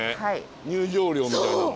入場料みたいなの。